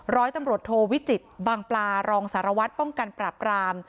ร้อยตำรวจโทวิจิตรบางปลารองสารวัตรป้องกันปราบราม